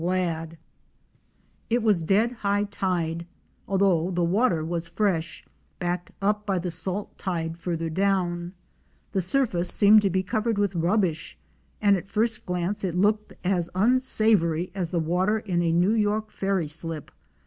THROUGH THE COASTAL WILDERNESS. 241 It was dead high tide, although the water was fresh — backed up by the salt tide farther down. The surface seemed to be covered with rubbish, and at first glance it looked as unsavoury as the water in a New York ferry slip!